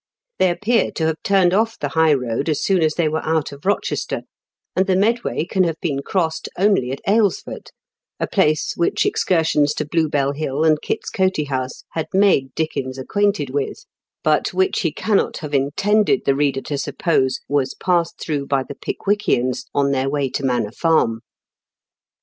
They appear to have turned oS the high road as soon as they were out of Eochester, and the Medway can have been crossed only at Aylesford, a place which excursions to Blue Bell Hill and Kit's Coty House had made Dickens acquainted with, but which he cannot have intended the reader to suppose was passed through by the Pickwickians on their way to Manor Farm.